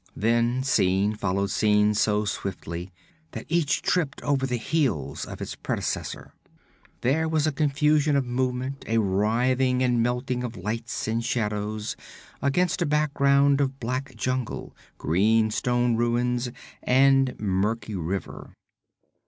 Then scene followed scene so swiftly that each tripped over the heels of its predecessor. There was a confusion of movement, a writhing and melting of lights and shadows, against a background of black jungle, green stone ruins and murky river.